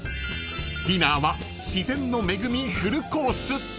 ［ディナーは自然の恵みフルコース］